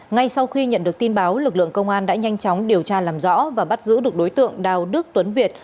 ngay sau khi nhận được tin báo lực lượng công an đã nhanh chóng điều tra làm rõ và bắt giữ được đối tượng đào đức tuấn việt